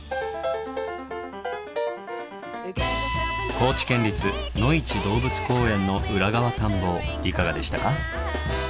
高知県立のいち動物公園の裏側探訪いかがでしたか？